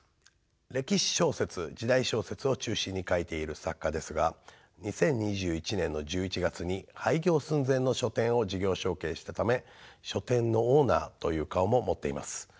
歴史小説時代小説を中心に書いている作家ですが２０２１年の１１月に廃業寸前の書店を事業承継したため書店のオーナーという顔も持っています。